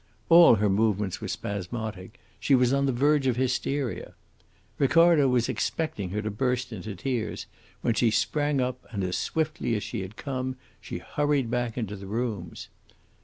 All her movements were spasmodic; she was on the verge of hysteria. Ricardo was expecting her to burst into tears, when she sprang up and as swiftly as she had come she hurried back into the rooms.